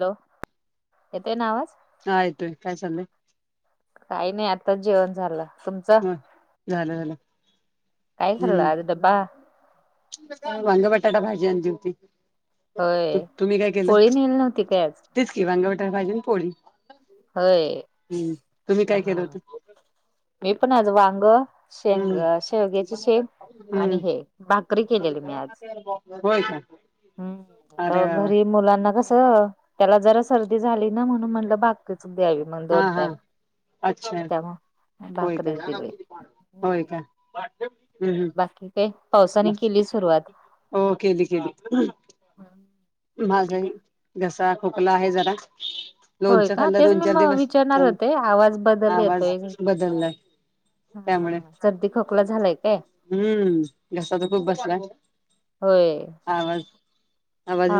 Hello येतोय नावाज हा आयतय कायसल काही नाही आत्ताच जेवण झालं तुमच होय झालं झालं काय खल्लं आर हम्म ड्बा वांग बटाटा भाजी आण होती होय पोळी नेल नव्हती काय आज तिचकी वांगवटा पाहिजन पोळी होय. हम्म तुम्ही काय केलं हा. होत मी पण आज वांग शेंग हम्म शेवग्याचे शेप आणि हम्म हे भाकरी केलेली मी आज होय का हम् अरे तर वा वा घरी मुलांना कस त्याला जरा सर्दी झाली ना म्हणून म्हणलं बाकीच द्यावी मग हा दोन हा टाइम अच्छा त्यामुळं होय का भाकरीच दिली. होय का हम्म बाकी काय पावसाने केली सुरुवात कली खली माझ घसा खोकला आहे जरा होय लोणचं का? खाल्लं तेच दोन मी चार म दिवस विचारणार होते आवाज बदल आवाज येतोय बदललाय त्यामुळे हा सर्दी खोकला झालाय काय हम्म घसा तर खूप बसलाय होय हवाज हाा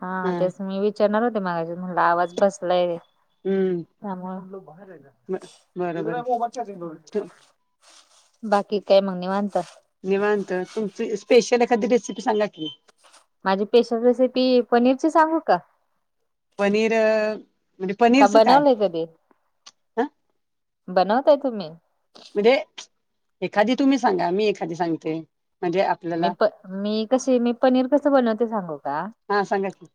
हा तेच मी विचारणार होते मागा म्हला आवाज बसलाय हम्म ह म बार बरोबर आहे म आहे बाकी काय मगणेवता निवांत तुमची स्पेशल एखादी रेसिपी सांगाातली माझी पेशल रेसिपी पनीरची सांगू का पनीर म्हणजे का पनीरचं काय बनवलंय कधी ह बनवताय तुम्ही म्हणजे एखादी तुम्ही सांगा मी एखादी सांगते म्हणजे आपल्याला मी प मी कसे मी पनीर कसं बनवते सांगू का हा सांगा की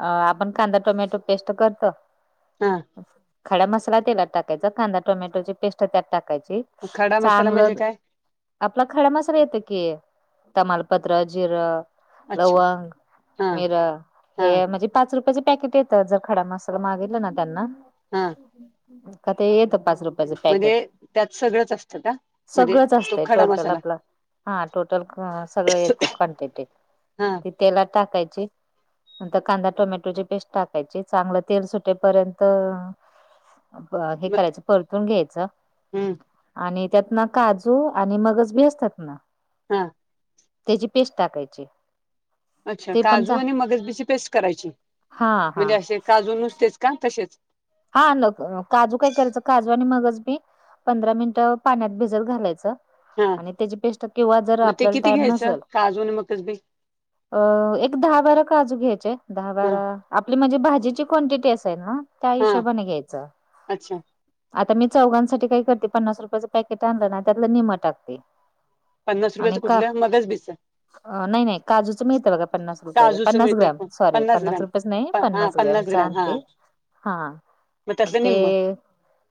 अ आपण कांदा टोमॅटो पेस्ट करतो हा खड्या मसाला तेलात टाकायचा कांदा टोमॅटोची पेस्ट त्यात टाकायची खडा मसाला चांगलं म्हणजे काय आपला खड्यामसर येत की तमालपत्र जिरं अच्छा लवंग हा मिर हे हा म्हणजे पाच रुपयाचे पॅकेट येतात जर खडा म अस तर मागितलं ना त्यांना हा कत येेत पाच रुपये म्हणजे त्यात सगळंच असतं का म्हणजे तो खडा मसाला [inaudible] सगळ येत क्वांटिटी हा ती तेला टाकायची नंतर कांदा टोमॅटोची पेस्ट टाकायची चांगलं तेल सुटेपर्यंत ब हे करायचं परतून घ्यायच हम्म आणि त्यात ना काजू आणि मगज बी असतात ना हा त्याची पेस्ट टाकायची अच्छा ते पण काजू चा आणि मगज बीची पेस्ट करायची हा हा म्हणजे असे काजू नुसतेच का तसेच हा न काजू काय करायचं काजू आणि मगज मी पंधरा मिनिटं पाण्यात भिजत घालायचं हा आणि त्याची पेस्ट किंवा जर मग ते आपल्याला किती टाम घ्यायचं नसेल काजू आणि मगच बी अ एक दहा बारा काजू घ्यायचे दहा हा बारा आपली म्हणजे भाजीची क्ांटिटी असाय ना हा हशबण घ्यायचं अच्छा आता मी चौघांसाठी काही करते पन्नास रुपयाचं पॅकेट आणलं ना त्यातलं निमट टगते पन्नास रुपयाचं कुठलं मध्येच बिस आहे. नाही काजूचं मिळतं बघा पन्ना रुपये काजूचं पन्नास मिळतं ग्रॅम प सॉरी पन्नास ग्राम रुपये नाही प- हा पन्नास गॅम ग्राम हा चांगते हा मग त्यातलं ते निम्म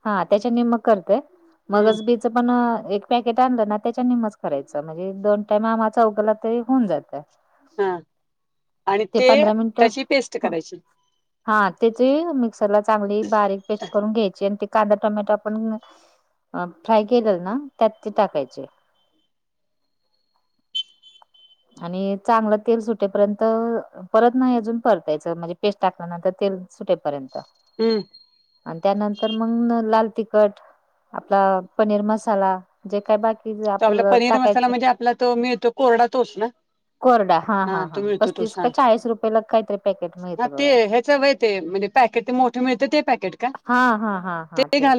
हा त्याच्यानी मग करतेय हम्म मगच बी. पण एक पॅकेट आणलं ना त्याच्या निमच करायचं म्हणजे दोन टाइम आमाचा उघला तरी होऊन जातं हा आणि ते पंधरा मिनिट. त्याची पेस्ट करायची हा तेची मिक्सरला चांगली बारीक पेस्ट करून घ्यायची आणि ते कांदा टोमॅटो आपण. अ फ्राय केलेल ना त्यात ते टाकायचे आणि चांगलं तेल सुटेपर्यंत. परत नाही अजून परतायचं म्हणजे पेस्ट टाकल्यानंतर तेल सुटेपर्यंत हम्म. आणि त्यानंतर मग लाल तिखट. आपला पनीर मसाला जे काय बाकी तो आपला आपलं पनीर टाकायचं मसाला म्हणजे आपला त मिळतो कोरडा तोच ना कोरडा हा तो मिळतो तो पस्तीस स का चाळीस रुपयेला काहीतरी पॅकेट हा मिळतं ते बघा. ह्याच वय ते म्हणजे पॅकेट ते मोठे मिळतं ते पॅकेट का? हा हा हा हा ते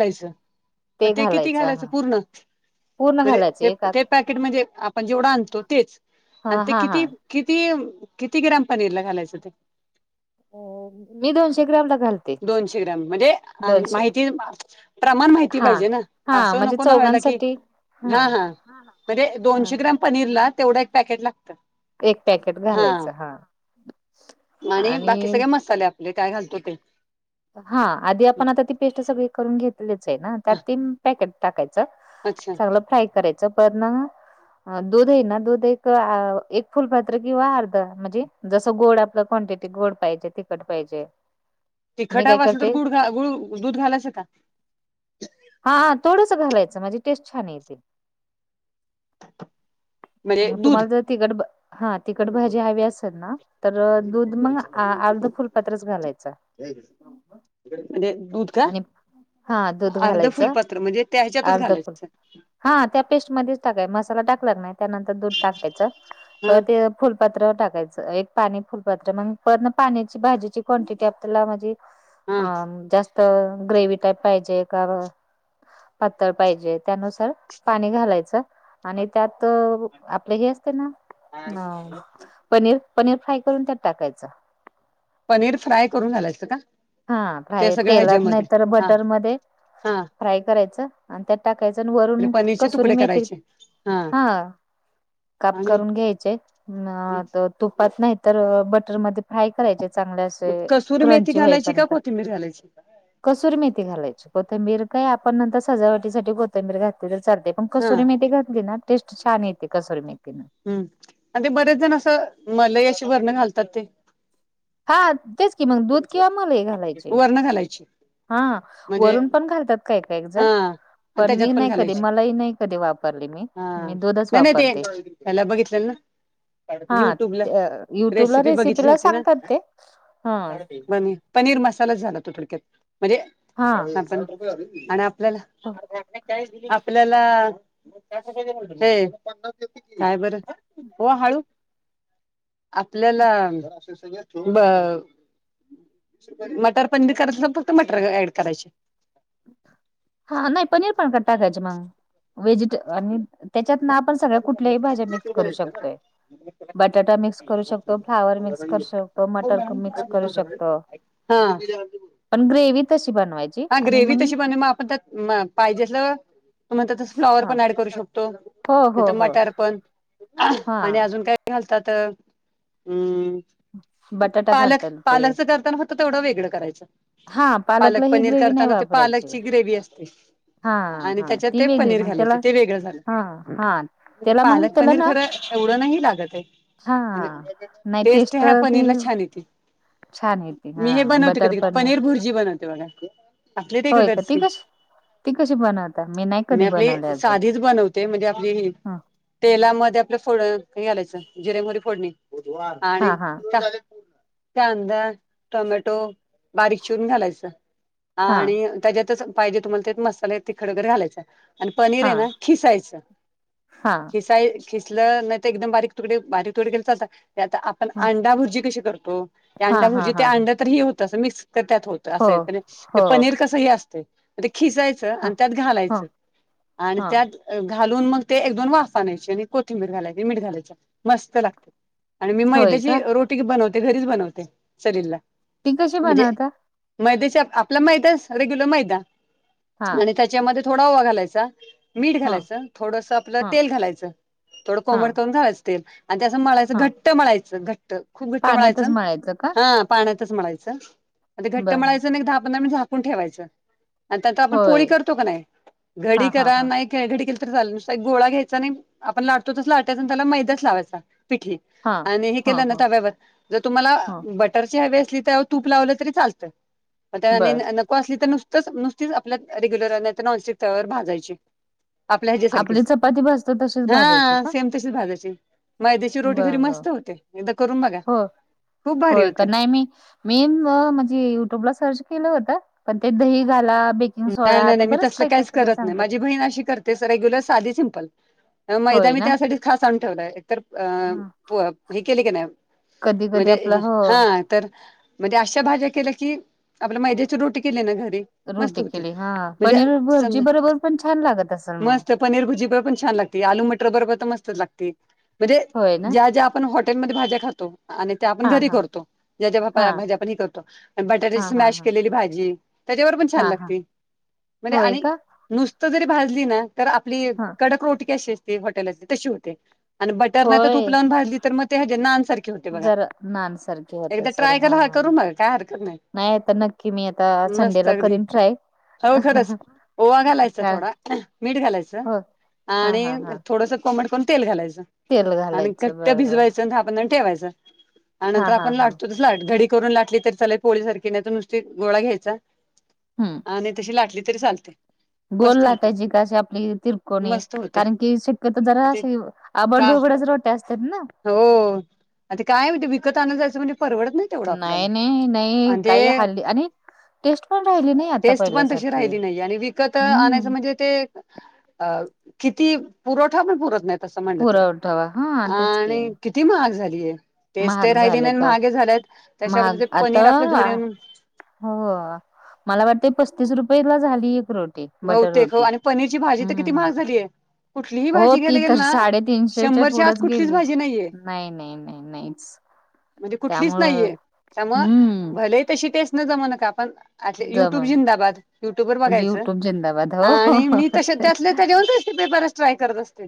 मग ते किती घालायचं पूर्ण पूर्ण म्हणजे घालायचं ते एका ते पॅकेटमध्येण आपण जेवढं आणतो तेच आणि हा ते हा हा किती? किती किती ग्राम पनीर ला घालायचं ते. हो हो मी दोनशे ग्रामला घाला दोनशे ग्रॅम म्हणजे अंद माहिती प्रमाण माहिती हा पाहिजे ना हा आसं म्हणजे नको न व्हायला की चौघांसाठी हा हा म्हणजे हा दोनशे ग्राम पनीर ला तेवढा एक पॅकेट लागतं. एक पॅकेट हा घालायचं आणि बाकी सगळ्या मसाल्या काय घालतो ते हा आधी आपण आता ती पेस्ट सगळी करून घेतलीच आहे ना त्यात हा ती पॅकेट. टाकायच अच्छा चांगलं फ्राय करायचं पण. ह दूध हाय ना दूध एक आ एक फुलपात्र किंवा अर्ध म्ह्णजे जसं गोड आपलं क्वांटिटी गोड पाहिजे तिखट पाहिजे? मी तिखट काय हावं असल तर करते गुड गु दूध घालायच का? हां हां थोडंसं घालायचं म्हणजे टेस्ट छान येेती. म्हणजे मग दूध तुम्हाला जर तिकट भा हां तिखट भाजी हवी असल ना तर दूध मगं आ अर्ध फुलपात्रच घालायचं. म्हणजे दूध त्या आणि हा दूध अर्ध घालायचं फुलपत्र म्हणजे त्या ह्याच्यातच अर्ध फुल घालायचं. हा त्या पेस्टमध्येच टाकाय मसाला टाकला की नाही त्यानंतर दूध टाकायचं त हा ते फुलपात्र टाकायचं एक पाणी फुलपात्र मग पण पाण्याची भाजीची क्वांटिटी आपल्याला म्हणजे हा जास्त ग्रेवी टाईप पाहिजे का ब पातळ पाहिजे त्यानुसार पाणी घालायचं आणि त्यात अ आपल हे असते ना अ पनीर पनीर फ्राय करून त्यात टाकायचं. पनीर फ्राय करून घालायचं का? हां ते फ्राय सगळ्या तेलात नाही ह्याच्यामध्ये तर हा बटरमध्ये हा. फ्राय करायचं आणि त्यात टाकायचं आणि वरून पनीरचे कसुरी तुकडे मेतील करायचे हा हां काप आणि करून घ्यायचे न अ त तुपात नाही तर अ बटरमध्ये फ्राय करायचे चांगले असे मग कसुरी क्रंची होई प [unintelligible] कोथिंबीर घालायची? कसुर मेथी घालायची कोथंबीर काय आपण नंतर सजावटीसाठी कोथंबीर घातली तर चालते. पण हा कसोरी मेथी घातली ना टेस्ट छान येते कसोरी मेथीन. हम्म आण ते बरेच जण असं मलाई अशी वरणं घालतात ते? हा तेच की मग दूध किंवा मलई घालायची. पुन्हा घालायची? हां म्हणजे वरून पण घालतात काय एक हा जणं. आणि पण त्याच्यात मी नाही कधी घालायची मलाई नाही कधी वापरली मी, हा मी दूधच नाही नाही ते वापरते. ह्याला बघितलेलं ना हा युट्यूबला त युट्यूबला रेसिपी ला सांगतात ते. हा पनी पनीर मसाला झाला तो थोडक्यात म्हणजे हा आण आ पल्याला आपल्याला काय बरं वो हळू आपल्याला बळ मटर पनीर बी करायच फक्त मटर ॲड करायचे. हा नाही पनीर पण करता त्याचे मगं. व्हेजिट आणि त्याच्यात ना आपण सगळ्या कुठल्याही भाज्या मिक्स करू शकतोय. बटाटा मिक्स करू शकतो, फ्लावर मिक्स करू शकतो, मटर मिक्स करू शकतो. हम्म. पण ग्रेव्ही तशी बनवायची. ग्रेव्ही तशी बन मग आपण पाहिजे असल त म फ्लावर ह पण ॲड करू शकतो. हो हो तर हो मटर पण हा आणि अजून काय घालतात अं म बटाटा पालक घालतात ते पालकच करताना फक्त तेवढं वेगळं करायचं. हा पालक पालकला ही पनीर ग्रेव्ही नाही करताना ते वापरायची पालकची ग्रेव्ही असते. हा आणि हा त्याच्यात ति ते बी पनीर घालायचे ते वेगळं झालं म्हणजे त्याला मग पालक त्याला पनीर ना खर एवढं नाही हा लागतं नाही टेस्ट ह्या ती पनीर ला छान येते छान येते हा मी हे बनवते बटर कधी पनीर भुर्जी बनवते बघा. आपली होय का रेग्युलरच ती की कस ती कशी बनवत? मी आपली साधीच बनव ते म्हणजे आपली हा तेलामध्ये आपलं फोड हे घालायचं जिरे मोरी फोडणी आणी हा हा कांदा टोमॅटो बारीक चिरून घालायच हा आणि त्याच्यातच पाहिजे तुम्हाला ते मसाले तिखड वगैर घालायचा आणि पनीर हा आहे ना खिसायच हा खिसाय खिसलं नाही तर एकदम बारीक तुकडे बारीक तुकडे केले चालतात आता आपण अंडा भुर्जी कशी करतो त्या हा अंडा हा हा भुर्जी ते हा अंड् तर हे होत अस मिक्स त्यात होत अस हो हो ते पनीर कसंही असते ते खिसायचं ह आणि त्यात ह घालायचं आणि ह त्यात घालून मग ते एक दोन वास आणायची आणि कोथिंबीर घालायची मीठ घालायचे मस्त लागते आणि मी होय मैद्याची का रोटी बनवते घरीच बनवते सलीलला ती कशी बनवता मैदा आपला मैदा रेग्युलर मैदा हा आणि त्याच्यामध्ये थोड रव्वा घालायचा मीठ हा घालायचं थोडंस आपलं हा तेल घालायचं थोडं हा कोमट करून घालायचं तेल आणि त्या असं म्हळायचं हा घट्ट म्हळायचं घट्ट खूप घट्ट पाण्यातच म्हळायचं मळायचं का हा पाण्यातच मळायचं घट्ट बर मळायचं ना दहा पंधरा मिनिट झापून ठेवायचं आणि त्यां त आपण पोळी होय करतो का नाही हा घडी हा कराय हा नाहीत खेळ घडी केल तर चालल गोळा घ्यायचा नाही आपण लाटतो तस लाटायचा आणि त्याला मैदाच लावायचा.. पिठी हा आणि हे हा केलं ना हा तव्यावर जर तुम्हाला हा बट फरशी हवी असली त्यावर तूप लावलं तरी चालतं बर त्या असली तर नुसतच नुसतीच आपल्या रेग्युलर नॉनस्टिकवर भाजायची आपल्या हेज्या आपली सारखीच चपाती भाजतो तशीच भाजायची हा का सेम तशीच भाजायची मयद्याची रोटी घरी बर बर मस्त होते एकदा करून बघा हो खूप भारी होते [inaudible] मी म्हणजे युट्यूबला सर्च केलं होत पण ते दही घाला ब नाही नाही नाही मी तसलं काहीच करत नाही माझी बहीण अशी करते ते रेग्युलर साधी सिम्पल मैदा होय मी ना त्यासाठीच खास आणून ठेवलाय एक तर हे केले की नाही कधी कधी आपलं म्हणजे हो हा तर म्हणजे अशा भाज्या केल्या की आपला मैद्याची रोटी केली ना घरी मस्त रोटी होते केली हा म्हणजे पनीर समजा भुर्जी बरोबर पण छान लागत असेल मग मस्त पनीर भुर्जी बरोबर पण छान लागते आलू मटर बरबर तर मस्तच लागते म्हणजे होय ना ज्या ज्या आपण हॉटेलमध्ये भाज्या खातो आणि त्या आपण हा घरी हा करतो ज्याच्या हा भाजी आपण ही करतो हा बटाट्याची हा मॅश हा केलेली भाजी त्याच्यावर पण हा हा लागते म्हणजे होय आणि का नुसत जरी भाजली ना तर आपली हा कडक रोटी अशी असते हॉटेलाची तशी होते आणि बटर नाही तर होय तूप लावून भाजली तर मग ते ह नान सारखी बघा जरा नान सारखे होत एकदा असेल ट्राय हा हा. करू मग काय हरकत नाही नाही आता नक्की मी आता मस्त संडेला अगदी करीन ट्राय हो खरंच ओवा घालायचं, काय थोडा मीठ घालायचं हो हा आणि हा हा थोडस. कोमट करून तेल घालायचं तेल आणि घालायचं घट्ट बरोबर भिजवायचं दहा-पंधरा मिनिटं झाकण लावून ठेवायचं. आणि हा नंतर हा आपण हा लाटतो तस लाट घडी करून लाटली तर चालेल पोळीसारखी नाही तर नुसती गोळा घ्यायचा. हम्म. आणि तशी लाटली तरी चालते. गोल मस्त होते लाटायची का आशी आपली तिरकोणी. मस्त होते कारण की शक्यतो जरा ते का आबडधोबडच रोट्या असतात ना. हो आता काय म्हणे विकत आणलंला जायचं म्हणजे परवडत नाही. तेवढं आपल्याला नाही, नाही, नाही, आणि काही ते हाल्ली आणि टेस्ट पण राहिली नाही. आता टेस्ट पण तशी पहिल्यासारखी राहिली नाही आणि विकत आणायचं हम्म म्हणजे. ते किती पुरवठा पण पुरतं नाहीत तस म्हणलं पुरवठावा हा तर तेच की आणि किती महाग झालीये. टेस्ट महाग राहिली झाले नाही तर महाग ही झालेत महाग त्याच्यापेक्षा ते आता पनीर आपलं घरी आणून. हो मला वाटते पस्तीस रुपये ला झाली एक रोटी. बटर बहुतेक रोटी आणि पनीरची भाजी तर हम्म किती हम्म. महाग झालीये. कुठलीही हो भाजी ती घ्याला तर गेल ना साडेतीनशेच्या शंभरच्या आत पुढच कुठलीच गेली भाजी नाहीये. [inaudible] नाही नाही नाही नाहीच म्हणजे कुठलीच त्यामुळं नाहीये त्यामुळे हम्म भले तशी टेस्ट न जमना का. युट्यूब जमल जिंदाबाद युट्यूबर म्हणजे बघायच युट्यूब जिंदाबाद हो आणि मी तशी त्यातल्या. पेपरच ट्राय करत असते.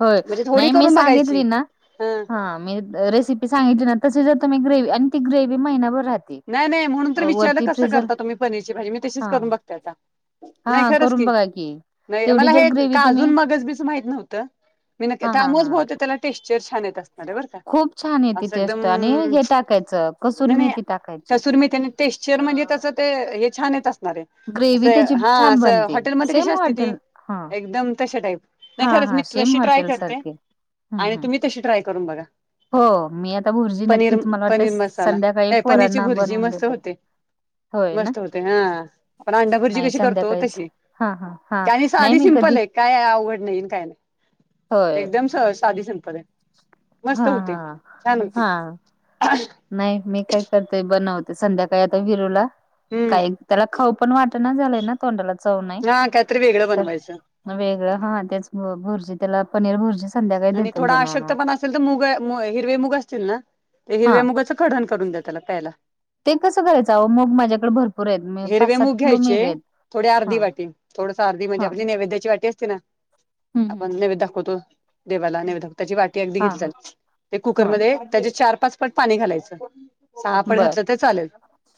होय म्हणजे थोडी नाही मी करून बघायची सांगितली ना ह हा मी. रेसिपी सांगितली ना तसे जर तुम्ही ग्रेवी आणि ती ग्रेवी महिनाभर राहते. नाही नाही म्हणून तर विचारलं वरती कसं फ्रीजर करता तुम्ही पनीरची भाजी मी तशीच हा करून बघते आता. नाही हा खरंच करून की बघा नाही तेवढी मला जर हे ग्रेवी काजू तुम्ही मगच बीच माहित नव्हतं. मी नक् हा हा हा त्यामुळंच त्याला टेक्स्चर छान येतात. अरे बर का खूप छान येते अस एकदम टेस्ट आणि हे टाकायचं कसुरी नाहीं नाही. मेथी टाकायची कस्तुरी मेथी. ग्रेवी त्याची असं हा छान असं बनते हॉटेलमध्येध्ये कशी सेम असते हॉटेल ती हा एकदम तशा टाईप. नाही हा खरंच हा मी सेम तशी ट्राय हॉटेल करते, सारखे हम्म आणि हम्म तुम्ही तशी ट्राय करून बघा. हो मी आता भुर्जी पनीर नक्कीच मला वाटते पनीर मसाला संध्याकाळी नाही पनीरची पोरांना. भुर्जी बनवून मस्त देते होते, होय ना मस्त होते, हा आपण अंडा भुर्जी नाही कशी करतो संध्याकाळीच तशी. हा, हा, हा, आणि नाही साधी मी सिंपल कधी. आहे काय अवघड नाहीन काय नाही होय एकदम साधी सिंपल हाय. हा मस्त होते, हा छान होते. हा नाही मी काय करतेय बनवते संध्याकाळी आता विरूला हम्म काय. त्याला खाऊ पण वाट नाही झालंय ना तोंडाला चव नाही, हा काहीतरी वेगळं तर. बनवायचं वेगळं हा त्याच भुर्जी त्याला पनीर भुर्जी संध्याकाळी देतो बनवून मग. अस तर मुग हिरवे मुग असतील ना, ते हा हिरव्या मुगाचं कढण करून द्या त्याला प्यायला. ते कसं करायचं, आहों मुग माझ्याकडे भरपूर आहेत, पाच-सात किलो मूग आहेत. थोड्या हा अर्धी वाटी थोडसं अर्धी म्हणजे हा आपल नैवेद्याची वाटी असते ना. हम्म हम्म आपण हम्म नैवेद्य दाखवतो, देवाला नैवेद्य हम्म दाखव त्याची वाटी अगदी हा घेतल्या. हा ते हा कुकरमध्ये त्याचे चार-पाच. पट पाणी घालायच, सहा पट बर घातलं तर चालेल,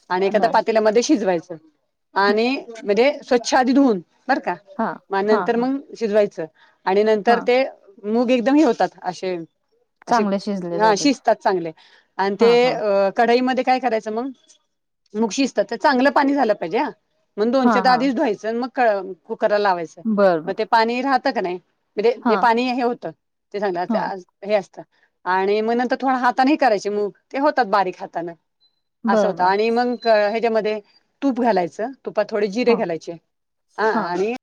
आणि एखाद्या बर पातेल्यामध्ये. शिजवायच हम्म आणि म्हणजे स्वच्छ आधी धुवून बर का हा हा नंतर हा मग. शिजवायचं आणि हा नंतर ते मूग एकदम हे होतात अशे. असे चांगले शिजले हा जातात शिजतात चांगले आणि ते हा हा अ. कढाईमध्ये काय करायचं मग मु शिजतात तर चांगलं पाणी झालं पाहिजे ह. मग हा दोन-चार दा हा आधीच धुवायचं मग कुकरला लावायचं बर बर मग ते पाणी राहतं का नाही. म्हणजे जे हा पाणी हे होतं ते सांग. हा हे असतं आणि मग नंतर थोडं हातानेही करायचे मूग ते होतात बारीक हातान. असा बर होता बर आणि मग ह्याच्यामध्ये तूप घालायचं. तुपा थोडे जिरे हा घालायचे ह हा आणि.